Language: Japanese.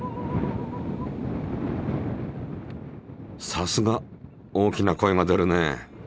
さすが大きな声が出るね。